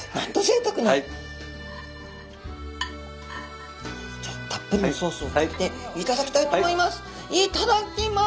たっぷりのソースをかけて頂きたいと思います。